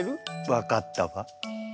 分かったわ。